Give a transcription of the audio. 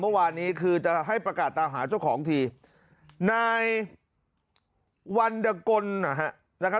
เมื่อวานนี้คือจะให้ประกาศตามหาเจ้าของทีนายวันดกล